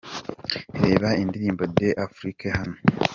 Reba indirimbo ’Dieu d’Afrique’ hano :.